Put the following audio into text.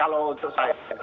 kalau untuk saya